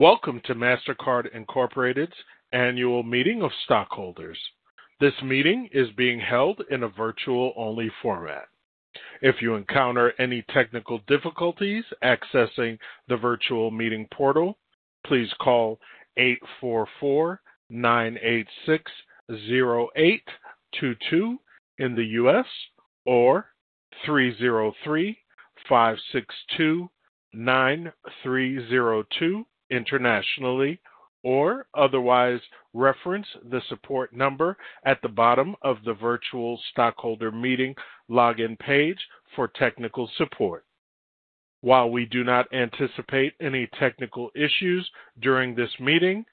Welcome to Mastercard Incorporated's annual meeting of stockholders. This meeting is being held in a virtual-only format. If you encounter any technical difficulties accessing the virtual meeting portal, please call 844-986-0822 in the U.S., or 303-562-9302 internationally, or otherwise reference the support number at the bottom of the virtual stockholder meeting login page for technical support. While we do not anticipate any technical issues during this meeting,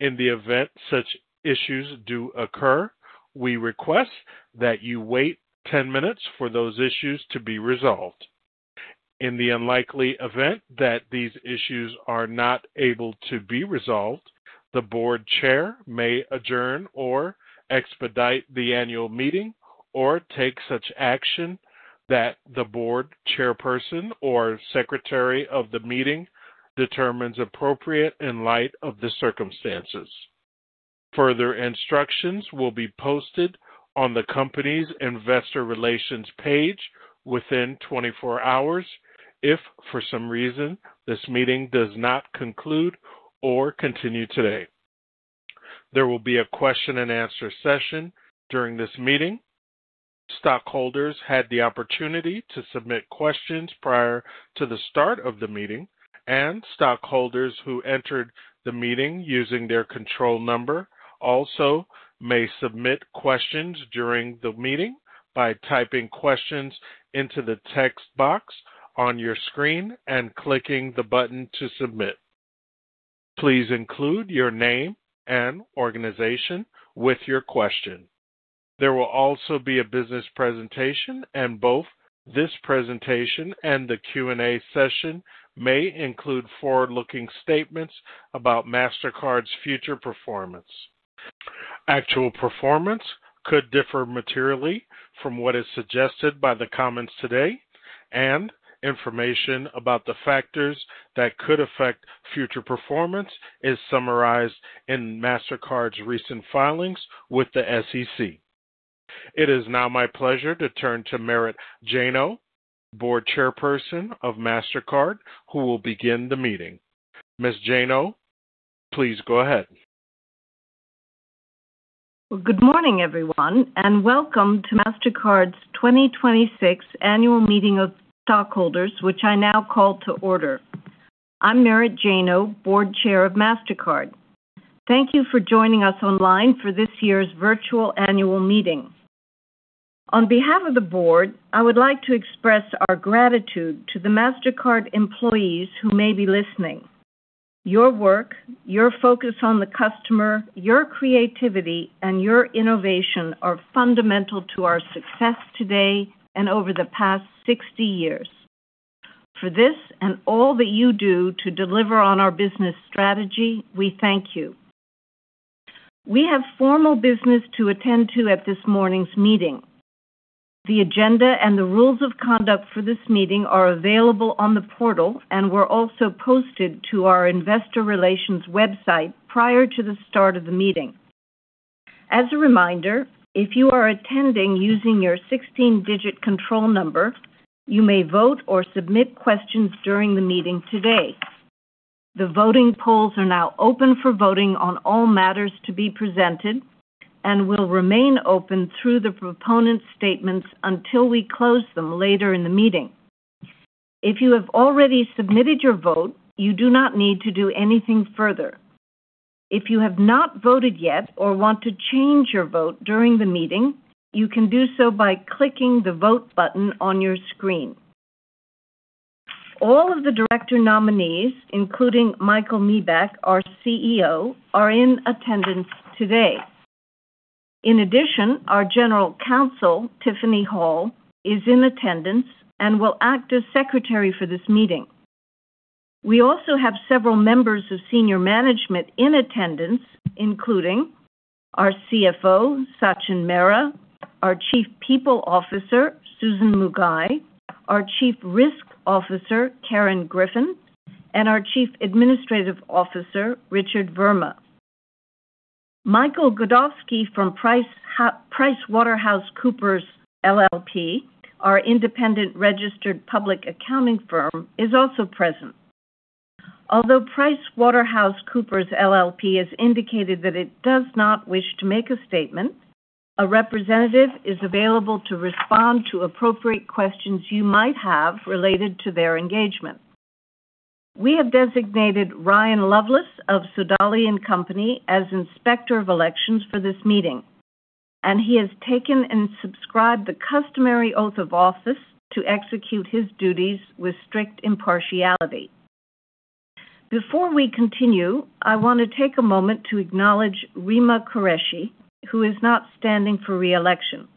in the event such issues do occur, we request that you wait 10 minutes for those issues to be resolved. In the unlikely event that these issues are not able to be resolved, the board chair may adjourn or expedite the annual meeting or take such action that the board chairperson or secretary of the meeting determines appropriate in light of the circumstances. Further instructions will be posted on the company's investor relations page within 24 hours if, for some reason, this meeting does not conclude or continue today. There will be a question and answer session during this meeting. Stockholders had the opportunity to submit questions prior to the start of the meeting. Stockholders who entered the meeting using their control number also may submit questions during the meeting by typing questions into the text box on your screen and clicking the button to submit. Please include your name and organization with your question. There will also be a business presentation. Both this presentation and the Q&A session may include forward-looking statements about Mastercard's future performance. Actual performance could differ materially from what is suggested by the comments today, information about the factors that could affect future performance is summarized in Mastercard's recent filings with the SEC. It is now my pleasure to turn to Merit Janow, Board Chairperson of Mastercard, who will begin the meeting. Ms. Janow, please go ahead. Good morning, everyone, welcome to Mastercard's 2026 Annual Meeting of Stockholders, which I now call to order. I'm Merit Janow, Board Chair of Mastercard. Thank you for joining us online for this year's virtual annual meeting. On behalf of the board, I would like to express our gratitude to the Mastercard employees who may be listening. Your work, your focus on the customer, your creativity, your innovation are fundamental to our success today and over the past 60 years. For this and all that you do to deliver on our business strategy, we thank you. We have formal business to attend to at this morning's meeting. The agenda, the rules of conduct for this meeting are available on the portal and were also posted to our investor relations website prior to the start of the meeting. As a reminder, if you are attending using your 16-digit control number, you may vote or submit questions during the meeting today. The voting polls are now open for voting on all matters to be presented and will remain open through the proponent statements until we close them later in the meeting. If you have already submitted your vote, you do not need to do anything further. If you have not voted yet or want to change your vote during the meeting, you can do so by clicking the Vote button on your screen. All of the director nominees, including Michael Miebach, our CEO, are in attendance today. In addition, our General Counsel, Tiffany Hall, is in attendance and will act as Secretary for this meeting. We also have several members of senior management in attendance, including our CFO, Sachin Mehra, our Chief People Officer, Susan Muigai, our Chief Risk Officer, Karen Griffin, and our Chief Administrative Officer, Richard Verma. Michael Godofsky from PricewaterhouseCoopers LLP, our independent registered public accounting firm, is also present. Although PricewaterhouseCoopers LLP has indicated that it does not wish to make a statement, a representative is available to respond to appropriate questions you might have related to their engagement. We have designated Ryan Loveless of Sodali & Co. as Inspector of Elections for this meeting, and he has taken and subscribed the customary oath of office to execute his duties with strict impartiality. Before we continue, I want to take a moment to acknowledge Rima Qureshi, who is not standing for re-election.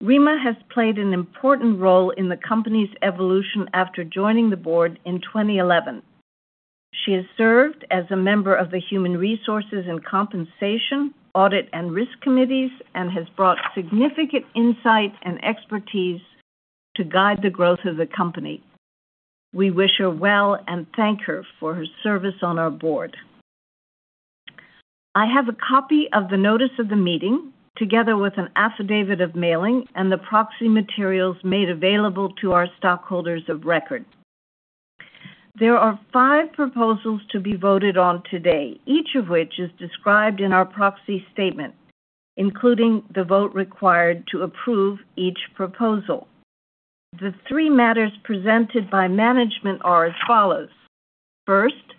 Rima has played an important role in the company's evolution after joining the board in 2011. She has served as a member of the Human Resources and Compensation, Audit, and Risk committees and has brought significant insight and expertise to guide the growth of the company. We wish her well and thank her for her service on our board. I have a copy of the notice of the meeting, together with an affidavit of mailing and the proxy materials made available to our stockholders of record. There are 5 proposals to be voted on today, each of which is described in our proxy statement, including the vote required to approve each proposal. The three matters presented by management are as follows. First,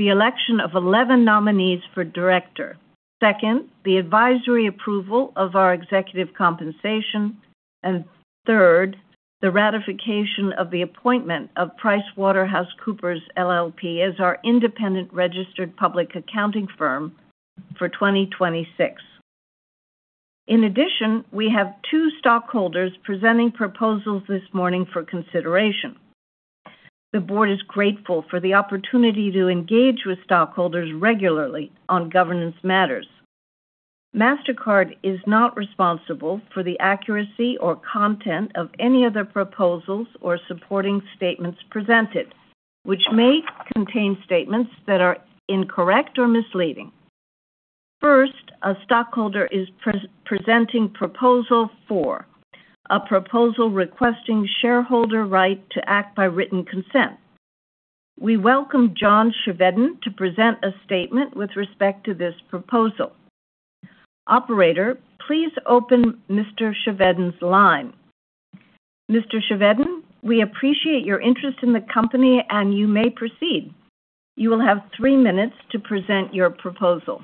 the election of 11 nominees for director. Second, the advisory approval of our executive compensation. Third, the ratification of the appointment of PricewaterhouseCoopers LLP as our independent registered public accounting firm for 2026. In addition, we have 2 stockholders presenting proposals this morning for consideration. The board is grateful for the opportunity to engage with stockholders regularly on governance matters. Mastercard is not responsible for the accuracy or content of any of the proposals or supporting statements presented, which may contain statements that are incorrect or misleading. First, a stockholder is presenting Proposal 4, a proposal requesting shareholder right to act by written consent. We welcome John Chevedden to present a statement with respect to this proposal. Operator, please open Mr. Chevedden's line. Mr. Chevedden, we appreciate your interest in the company, and you may proceed. You will have 3 minutes to present your proposal.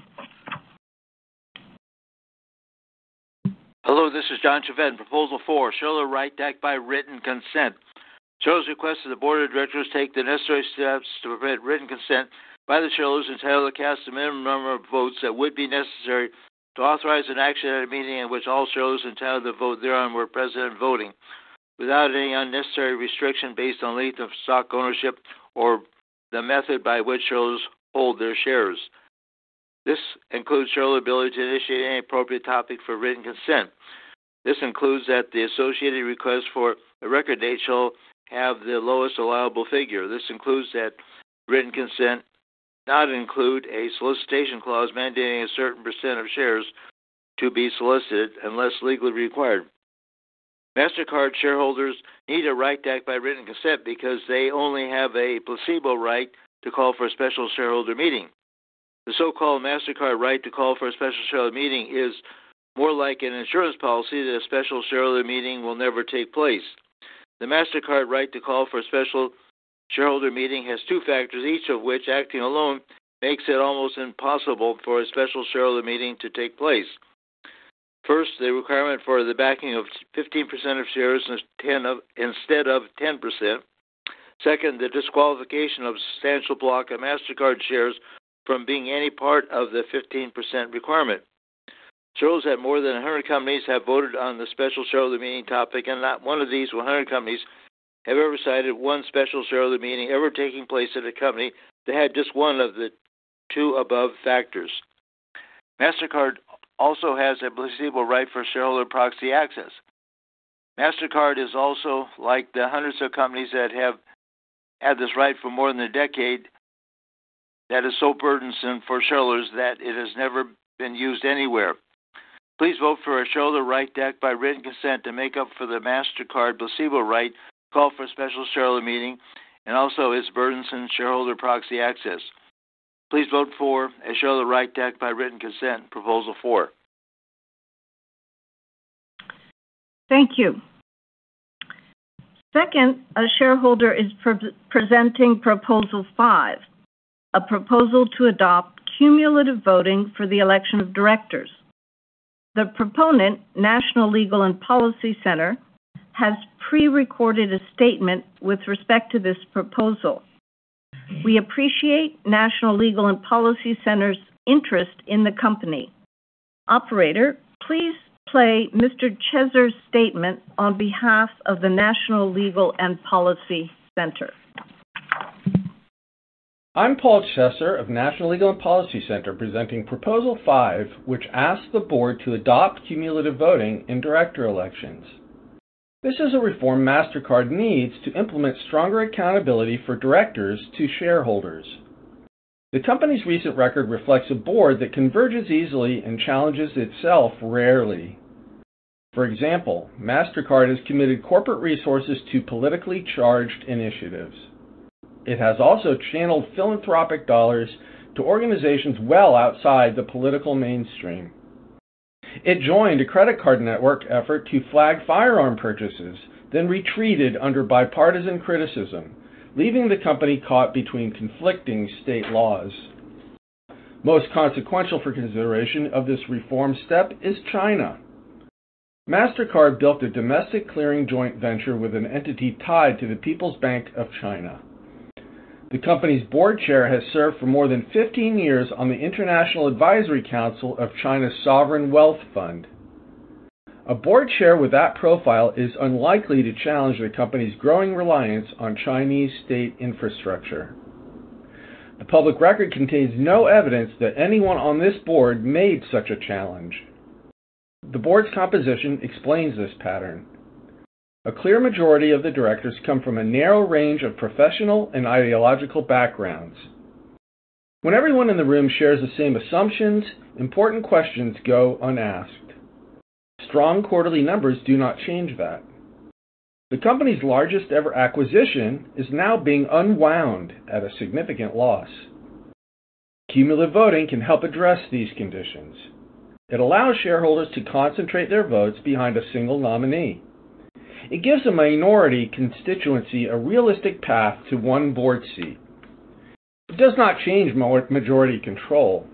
Hello, this is John Chevedden, Proposal 4, shareholder right to act by written consent. Shareholders request that the board of directors take the necessary steps to permit written consent by the shareholders entitled to cast the minimum number of votes that would be necessary to authorize an action at a meeting at which all shareholders entitled to vote thereon were present and voting, without any unnecessary restriction based on length of stock ownership or the method by which shareholders hold their shares. This includes shareholder ability to initiate any appropriate topic for written consent. This includes that the associated request for a record date shall have the lowest allowable figure. This includes that written consent not include a solicitation clause mandating a certain % of shares to be solicited unless legally required. Mastercard shareholders need a right to act by written consent because they only have a placebo right to call for a special shareholder meeting. The so-called Mastercard right to call for a special shareholder meeting is more like an insurance policy that a special shareholder meeting will never take place. The Mastercard right to call for a special shareholder meeting has two factors, each of which, acting alone, makes it almost impossible for a special shareholder meeting to take place. First, the requirement for the backing of 15% of shares instead of 10%. Second, the disqualification of a substantial block of Mastercard shares from being any part of the 15% requirement. Shareholders at more than 100 companies have voted on the special shareholder meeting topic, not one of these 100 companies have ever cited one special shareholder meeting ever taking place at a company that had just one of the two above factors. Mastercard also has a placebo right for shareholder proxy access. Mastercard is also like the hundreds of companies that have had this right for more than a decade that is so burdensome for shareholders that it has never been used anywhere. Please vote for a shareholder right to act by written consent to make up for the Mastercard placebo right to call for a special shareholder meeting, and also its burdensome shareholder proxy access. Please vote for a shareholder right to act by written consent, Proposal 4. Thank you. Second, a shareholder is presenting Proposal 5, a proposal to adopt cumulative voting for the election of directors. The proponent, National Legal and Policy Center, has pre-recorded a statement with respect to this proposal. We appreciate National Legal and Policy Center's interest in the company. Operator, please play Mr. Chesser's statement on behalf of the National Legal and Policy Center. I'm Paul Chesser of National Legal and Policy Center, presenting Proposal 5, which asks the board to adopt cumulative voting in director elections. This is a reform Mastercard needs to implement stronger accountability for directors to shareholders. The company's recent record reflects a board that converges easily and challenges itself rarely. For example, Mastercard has committed corporate resources to politically charged initiatives. It has also channeled philanthropic dollars to organizations well outside the political mainstream. It joined a credit card network effort to flag firearm purchases, then retreated under bipartisan criticism, leaving the company caught between conflicting state laws. Most consequential for consideration of this reform step is China. Mastercard built a domestic clearing joint venture with an entity tied to the People's Bank of China. The company's board chair has served for more than 15 years on the International Advisory Council of China's sovereign wealth fund. A board chair with that profile is unlikely to challenge the company's growing reliance on Chinese state infrastructure. The public record contains no evidence that anyone on this board made such a challenge. The board's composition explains this pattern. A clear majority of the directors come from a narrow range of professional and ideological backgrounds. When everyone in the room shares the same assumptions, important questions go unasked. Strong quarterly numbers do not change that. The company's largest-ever acquisition is now being unwound at a significant loss. Cumulative voting can help address these conditions. It allows shareholders to concentrate their votes behind a single nominee. It gives a minority constituency a realistic path to one board seat. It does not change majority control.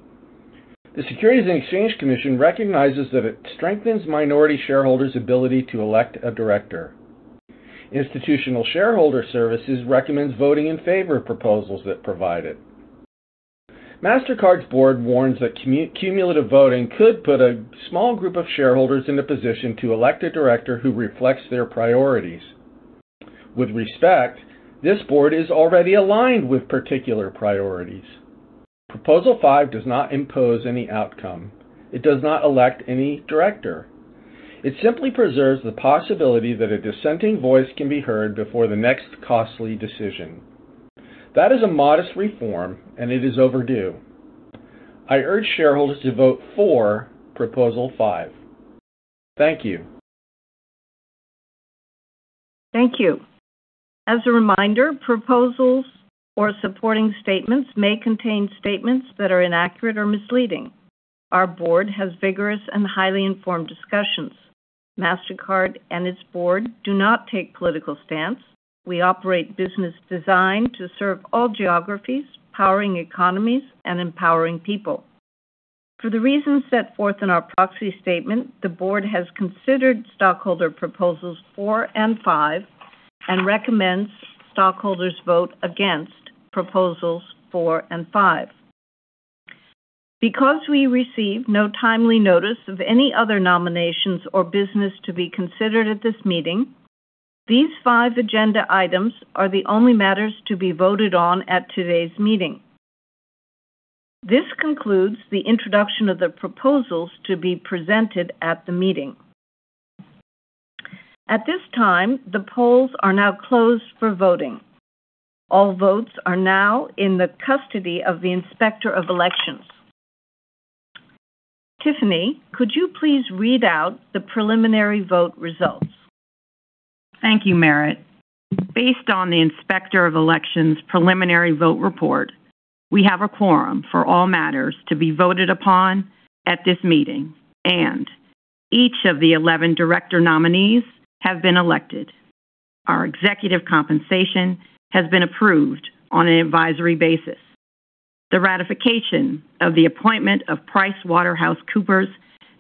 The Securities and Exchange Commission recognizes that it strengthens minority shareholders' ability to elect a director. Institutional shareholder services recommends voting in favor of proposals that provide it. Mastercard's board warns that cumulative voting could put a small group of shareholders in a position to elect a director who reflects their priorities. With respect, this board is already aligned with particular priorities. Proposal 5 does not impose any outcome. It does not elect any director. It simply preserves the possibility that a dissenting voice can be heard before the next costly decision. That is a modest reform, and it is overdue. I urge shareholders to vote for Proposal 5. Thank you. Thank you. As a reminder, proposals or supporting statements may contain statements that are inaccurate or misleading. Our board has vigorous and highly informed discussions. Mastercard and its board do not take political stance. We operate business designed to serve all geographies, powering economies and empowering people. For the reasons set forth in our proxy statement, the board has considered stockholder proposals 4 and 5 and recommends stockholders vote against proposals 4 and 5. Because we received no timely notice of any other nominations or business to be considered at this meeting, these five agenda items are the only matters to be voted on at today's meeting. This concludes the introduction of the proposals to be presented at the meeting. At this time, the polls are now closed for voting. All votes are now in the custody of the Inspector of Elections. Tiffany, could you please read out the preliminary vote results? Thank you, Merit. Based on the Inspector of Elections' preliminary vote report, we have a quorum for all matters to be voted upon at this meeting, and each of the 11 director nominees have been elected. Our executive compensation has been approved on an advisory basis. The ratification of the appointment of PricewaterhouseCoopers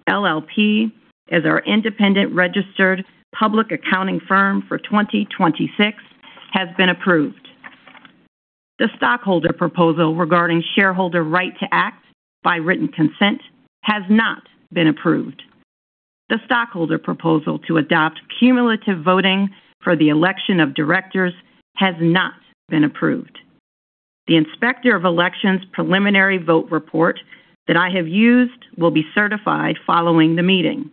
LLP as our independent registered public accounting firm for 2026 has been approved. The stockholder proposal regarding shareholder right to act by written consent has not been approved. The stockholder proposal to adopt cumulative voting for the election of directors has not been approved. The Inspector of Elections' preliminary vote report that I have used will be certified following the meeting,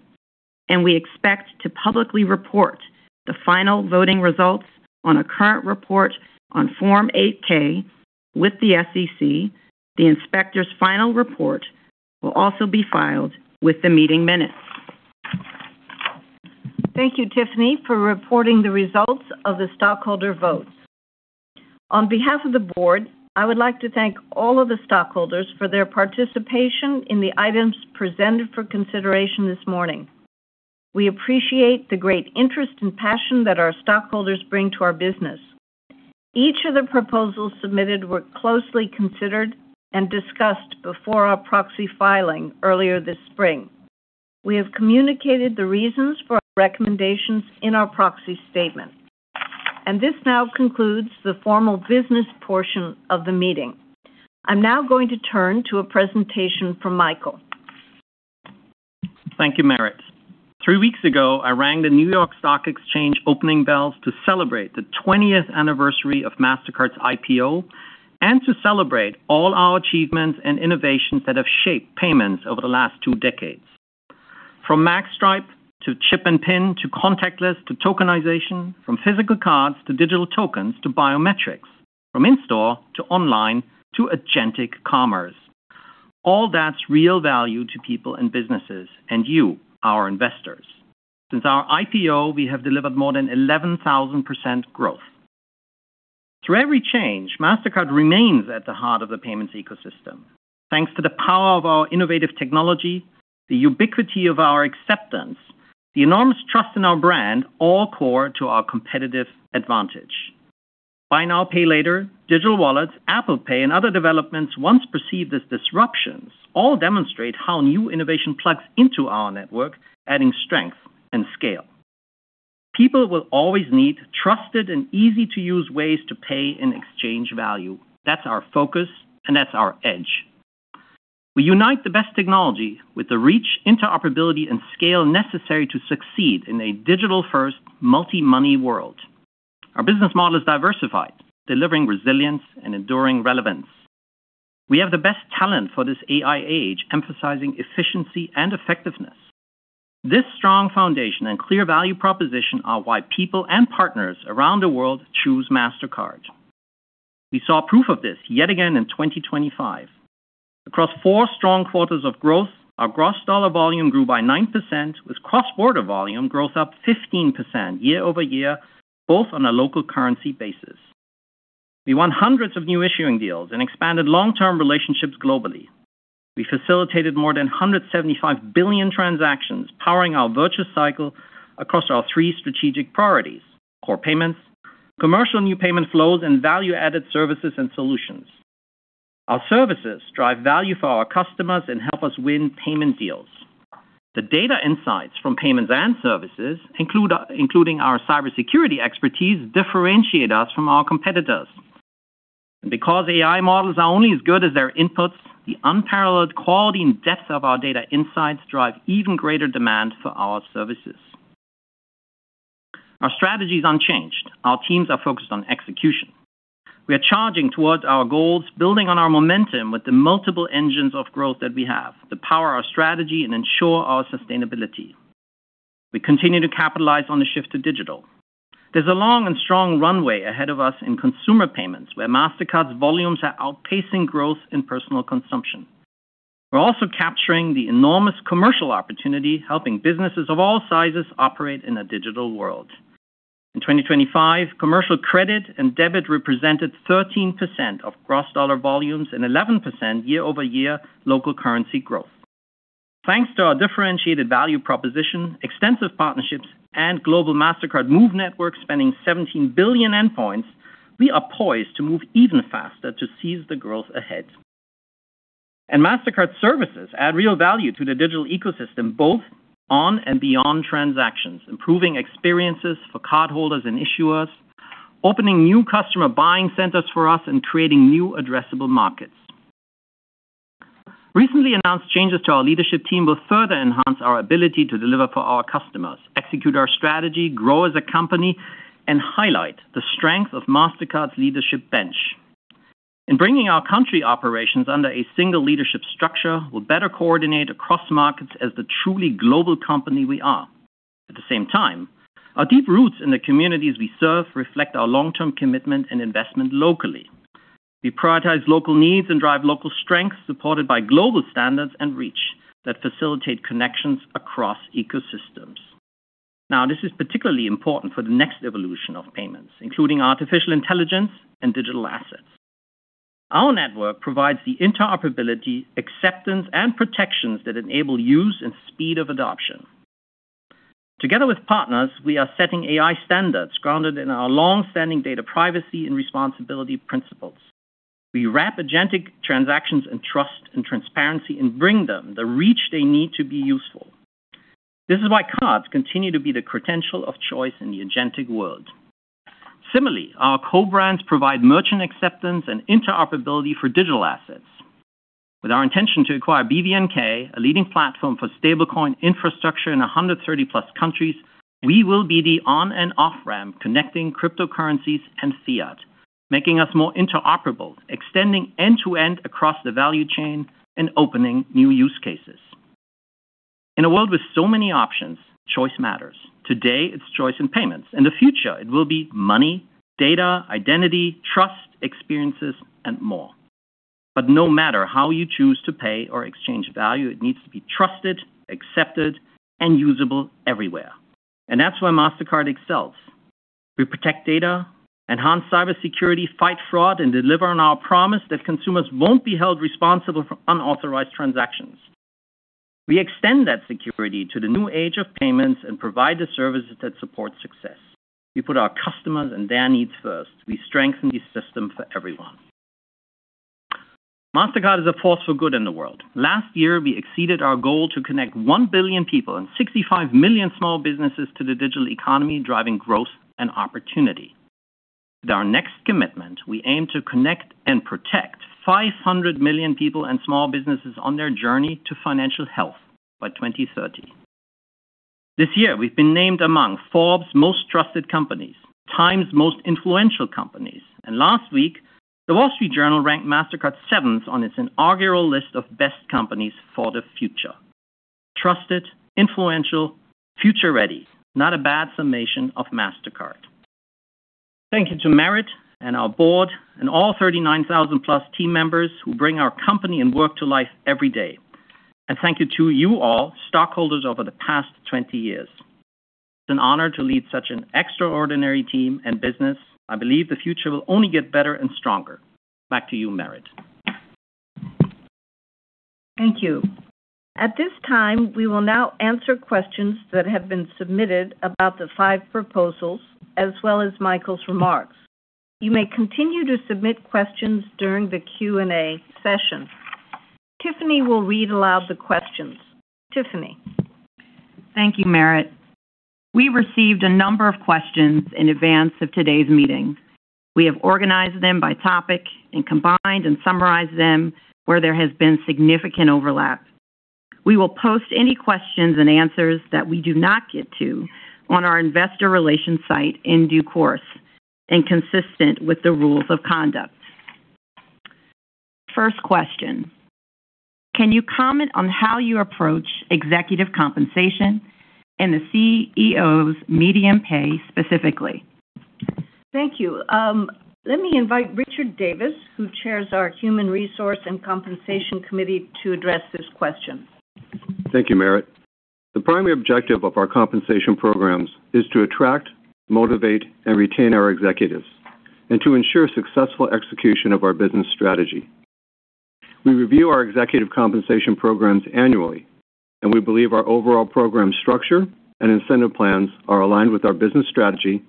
and we expect to publicly report the final voting results on a current report on Form 8-K with the SEC. The Inspector's final report will also be filed with the meeting minutes. Thank you, Tiffany, for reporting the results of the stockholder votes. On behalf of the board, I would like to thank all of the stockholders for their participation in the items presented for consideration this morning. We appreciate the great interest and passion that our stockholders bring to our business. Each of the proposals submitted were closely considered and discussed before our proxy filing earlier this spring. We have communicated the reasons for our recommendations in our proxy statement. This now concludes the formal business portion of the meeting. I'm now going to turn to a presentation from Michael. Thank you, Merit. Three weeks ago, I rang the New York Stock Exchange opening bells to celebrate the 20th anniversary of Mastercard's IPO and to celebrate all our achievements and innovations that have shaped payments over the last two decades. From Magstripe to chip and PIN, to contactless, to tokenization, from physical cards to digital tokens to biometrics, from in-store to online to agentic commerce. All that's real value to people and businesses and you, our investors. Since our IPO, we have delivered more than 11,000% growth. Through every change, Mastercard remains at the heart of the payments ecosystem. Thanks to the power of our innovative technology, the ubiquity of our acceptance, the enormous trust in our brand, all core to our competitive advantage. Buy now, pay later, digital wallets, Apple Pay, and other developments once perceived as disruptions all demonstrate how new innovation plugs into our network, adding strength and scale. People will always need trusted and easy-to-use ways to pay and exchange value. That's our focus, and that's our edge. We unite the best technology with the reach, interoperability, and scale necessary to succeed in a digital-first multi-money world. Our business model is diversified, delivering resilience and enduring relevance. We have the best talent for this AI age, emphasizing efficiency and effectiveness. This strong foundation and clear value proposition are why people and partners around the world choose Mastercard. We saw proof of this yet again in 2025. Across four strong quarters of growth, our gross dollar volume grew by 9% with cross-border volume growth up 15% year-over-year, both on a local currency basis. We won hundreds of new issuing deals and expanded long-term relationships globally. We facilitated more than 175 billion transactions, powering our virtuous cycle across our three strategic priorities: core payments, commercial new payment flows, and value-added services and solutions. Our services drive value for our customers and help us win payment deals. The data insights from payments and services, including our cybersecurity expertise, differentiate us from our competitors. Because AI models are only as good as their inputs, the unparalleled quality and depth of our data insights drive even greater demand for our services. Our strategy is unchanged. Our teams are focused on execution. We are charging towards our goals, building on our momentum with the multiple engines of growth that we have to power our strategy and ensure our sustainability. We continue to capitalize on the shift to digital. There's a long and strong runway ahead of us in consumer payments, where Mastercard's volumes are outpacing growth in personal consumption. We're also capturing the enormous commercial opportunity, helping businesses of all sizes operate in a digital world. In 2025, commercial credit and debit represented 13% of gross dollar volumes and 11% year-over-year local currency growth. Thanks to our differentiated value proposition, extensive partnerships, and global Mastercard Move network spanning 17 billion endpoints, we are poised to move even faster to seize the growth ahead. Mastercard services add real value to the digital ecosystem, both on and beyond transactions, improving experiences for cardholders and issuers, opening new customer buying centers for us, and creating new addressable markets. Recently announced changes to our leadership team will further enhance our ability to deliver for our customers, execute our strategy, grow as a company, and highlight the strength of Mastercard's leadership bench. In bringing our country operations under a single leadership structure, we'll better coordinate across markets as the truly global company we are. At the same time, our deep roots in the communities we serve reflect our long-term commitment and investment locally. We prioritize local needs and drive local strengths, supported by global standards and reach that facilitate connections across ecosystems. This is particularly important for the next evolution of payments, including artificial intelligence and digital assets. Our network provides the interoperability, acceptance, and protections that enable use and speed of adoption. Together with partners, we are setting AI standards grounded in our long-standing data privacy and responsibility principles. We wrap agentic transactions in trust and transparency and bring them the reach they need to be useful. This is why cards continue to be the credential of choice in the agentic world. Similarly, our co-brands provide merchant acceptance and interoperability for digital assets. With our intention to acquire BVNK, a leading platform for stablecoin infrastructure in 130-plus countries, we will be the on and off-ramp connecting cryptocurrencies and fiat, making us more interoperable, extending end to end across the value chain and opening new use cases. In a world with so many options, choice matters. Today, it's choice in payments. In the future, it will be money, data, identity, trust, experiences, and more. No matter how you choose to pay or exchange value, it needs to be trusted, accepted, and usable everywhere. That's where Mastercard excels. We protect data, enhance cybersecurity, fight fraud, and deliver on our promise that consumers won't be held responsible for unauthorized transactions. We extend that security to the new age of payments and provide the services that support success. We put our customers and their needs first. We strengthen the system for everyone. Mastercard is a force for good in the world. Last year, we exceeded our goal to connect one billion people and 65 million small businesses to the digital economy, driving growth and opportunity. With our next commitment, we aim to connect and protect 500 million people and small businesses on their journey to financial health by 2030. This year, we've been named among Forbes Most Trusted Companies, Time's Most Influential Companies, and last week, The Wall Street Journal ranked Mastercard seventh on its inaugural list of Best Companies for the Future. Trusted, influential, future-ready. Not a bad summation of Mastercard. Thank you to Merit and our board and all 39,000-plus team members who bring our company and work to life every day. Thank you to you all, stockholders over the past 20 years. It's an honor to lead such an extraordinary team and business. I believe the future will only get better and stronger. Back to you, Merit. Thank you. At this time, we will now answer questions that have been submitted about the five proposals as well as Michael's remarks. You may continue to submit questions during the Q&A session. Tiffany will read aloud the questions. Tiffany? Thank you, Merit. We received a number of questions in advance of today's meeting. We have organized them by topic and combined and summarized them where there has been significant overlap. We will post any questions and answers that we do not get to on our investor relations site in due course and consistent with the rules of conduct. First question. Can you comment on how you approach executive compensation and the CEO's median pay specifically? Thank you. Let me invite Richard Davis, who chairs our Human Resources and Compensation Committee, to address this question. Thank you, Merit. The primary objective of our compensation programs is to attract, motivate, and retain our executives and to ensure successful execution of our business strategy. We review our executive compensation programs annually, and we believe our overall program structure and incentive plans are aligned with our business strategy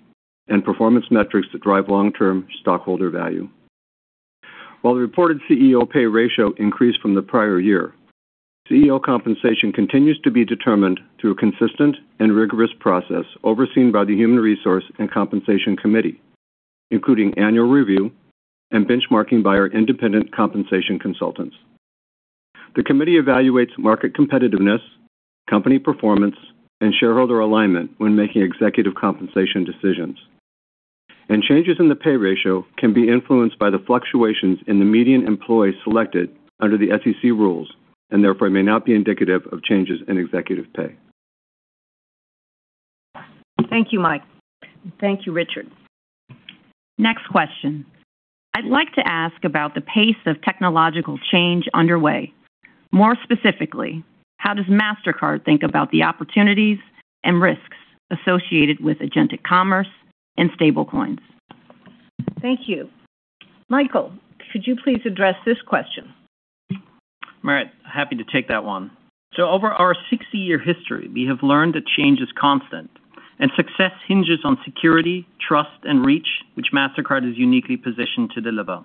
and performance metrics that drive long-term stockholder value. While the reported CEO pay ratio increased from the prior year, CEO compensation continues to be determined through a consistent and rigorous process overseen by the Human Resources and Compensation Committee, including annual review and benchmarking by our independent compensation consultants. The committee evaluates market competitiveness, company performance, and shareholder alignment when making executive compensation decisions. Changes in the pay ratio can be influenced by the fluctuations in the median employee selected under the SEC rules and therefore may not be indicative of changes in executive pay. Thank you, Merit. Thank you, Richard. Next question. I'd like to ask about the pace of technological change underway. More specifically, how does Mastercard think about the opportunities and risks associated with agentic commerce and stablecoins? Thank you. Michael, could you please address this question? Merit, happy to take that one. Over our 60-year history, we have learned that change is constant and success hinges on security, trust, and reach, which Mastercard is uniquely positioned to deliver.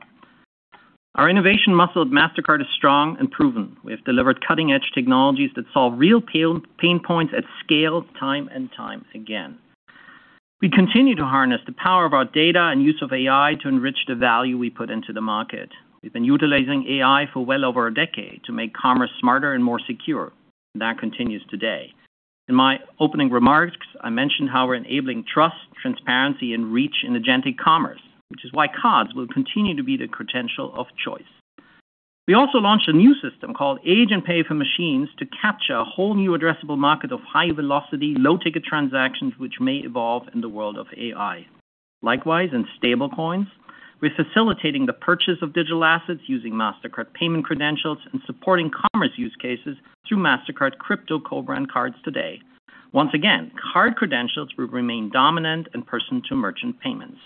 Our innovation muscle at Mastercard is strong and proven. We have delivered cutting-edge technologies that solve real pain points at scale time and time again. We continue to harness the power of our data and use of AI to enrich the value we put into the market. We've been utilizing AI for well over a decade to make commerce smarter and more secure. That continues today. In my opening remarks, I mentioned how we're enabling trust, transparency, and reach in agentic commerce, which is why cards will continue to be the credential of choice. We also launched a new system called Agent Pay for Machines to capture a whole new addressable market of high-velocity, low-ticket transactions which may evolve in the world of AI. Likewise, in stable coins, we're facilitating the purchase of digital assets using Mastercard payment credentials and supporting commerce use cases through Mastercard crypto co-brand cards today. Once again, card credentials will remain dominant in person-to-merchant payments.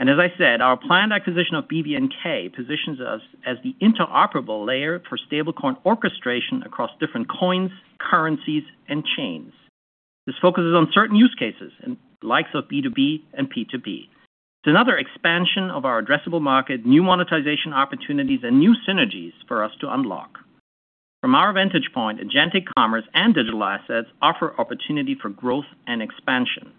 As I said, our planned acquisition of BVNK positions us as the interoperable layer for stable coin orchestration across different coins, currencies, and chains. This focuses on certain use cases and the likes of B2B and P2P. It's another expansion of our addressable market, new monetization opportunities, and new synergies for us to unlock. From our vantage point, agentic commerce and digital assets offer opportunity for growth and expansion.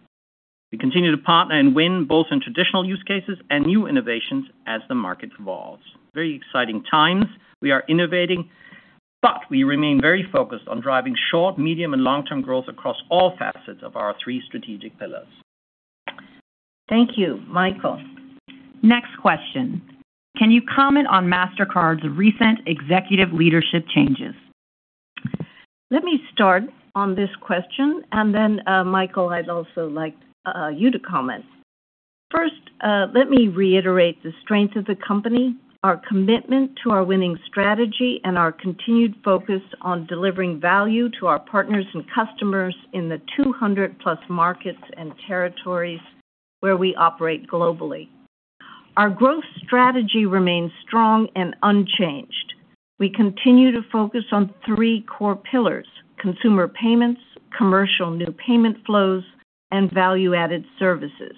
We continue to partner and win both in traditional use cases and new innovations as the market evolves. Very exciting times. We are innovating, but we remain very focused on driving short, medium, and long-term growth across all facets of our three strategic pillars. Thank you, Michael. Next question. Can you comment on Mastercard's recent executive leadership changes? Then, Michael, I'd also like you to comment. First, let me reiterate the strength of the company, our commitment to our winning strategy, and our continued focus on delivering value to our partners and customers in the 200-plus markets and territories where we operate globally. Our growth strategy remains strong and unchanged. We continue to focus on three core pillars, consumer payments, commercial new payment flows, and value-added services.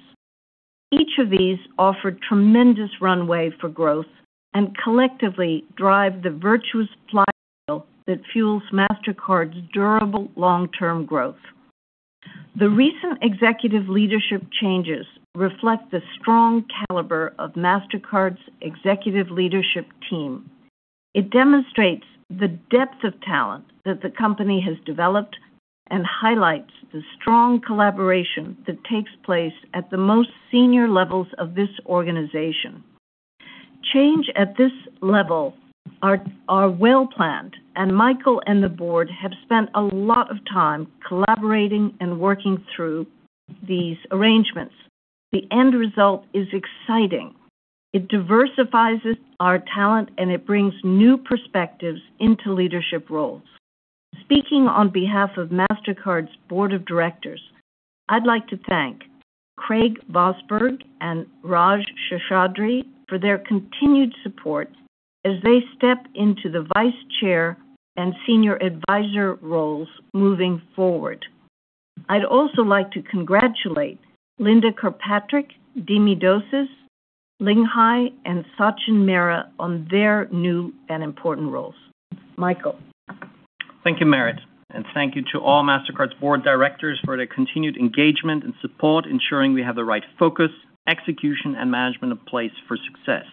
Each of these offer tremendous runway for growth and collectively drive the virtuous flywheel that fuels Mastercard's durable long-term growth. The recent executive leadership changes reflect the strong caliber of Mastercard's executive leadership team. It demonstrates the depth of talent that the company has developed and highlights the strong collaboration that takes place at the most senior levels of this organization. Change at this level are well-planned, Michael and the board have spent a lot of time collaborating and working through these arrangements. The end result is exciting. It diversifies our talent, it brings new perspectives into leadership roles. Speaking on behalf of Mastercard's board of directors, I'd like to thank Craig Vosburg and Raj Seshadri for their continued support as they step into the Vice Chair and Senior Advisor roles moving forward. I'd also like to congratulate Linda Kirkpatrick, Dimitrios Dosis, Ling Hai, and Sachin Mehra on their new and important roles. Michael. Thank you, Merit, and thank you to all Mastercard's board of directors for their continued engagement and support, ensuring we have the right focus, execution, and management in place for success.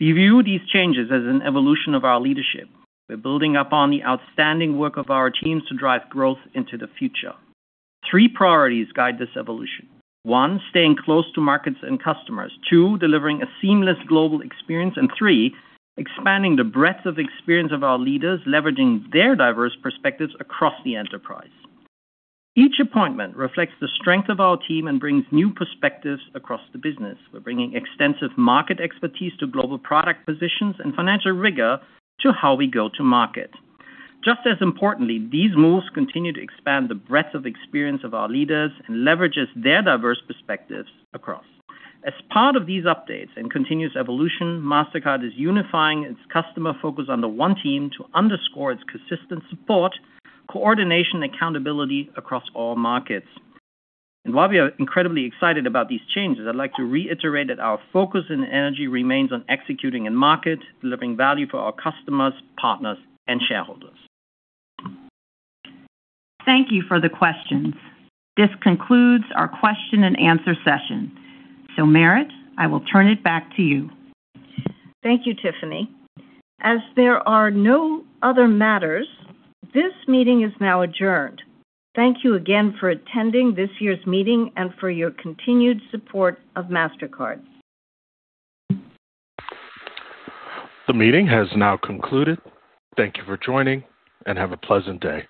We view these changes as an evolution of our leadership. We're building upon the outstanding work of our teams to drive growth into the future. Three priorities guide this evolution. One, staying close to markets and customers. Two, delivering a seamless global experience. Three, expanding the breadth of experience of our leaders, leveraging their diverse perspectives across the enterprise. Each appointment reflects the strength of our team and brings new perspectives across the business. We're bringing extensive market expertise to global product positions and financial rigor to how we go to market. Just as importantly, these moves continue to expand the breadth of experience of our leaders and leverages their diverse perspectives across. As part of these updates and continuous evolution, Mastercard is unifying its customer focus under one team to underscore its consistent support, coordination, and accountability across all markets. While we are incredibly excited about these changes, I'd like to reiterate that our focus and energy remains on executing in market, delivering value for our customers, partners, and shareholders. Thank you for the questions. This concludes our question and answer session. Merit, I will turn it back to you. Thank you, Tiffany. As there are no other matters, this meeting is now adjourned. Thank you again for attending this year's meeting and for your continued support of Mastercard. The meeting has now concluded. Thank you for joining, and have a pleasant day.